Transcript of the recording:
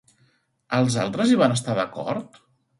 Els altres hi van estar d'acord?